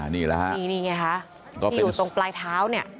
นี่ไงค่ะที่อยู่ตรงปลายเท้านี่